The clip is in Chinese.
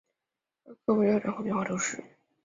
厄克维勒人口变化图示